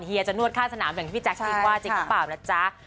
เยจะนวดค่าสนามอย่างที่พี่แจ๊คคิดว่าจริงหรือเปล่าล่ะจ๊ะ